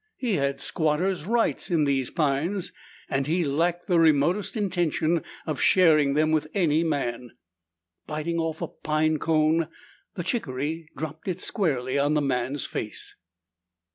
He had squatters' rights in these pines and he lacked the remotest intention of sharing them with any man. Biting off a pine cone, the chickaree dropped it squarely on the man's face.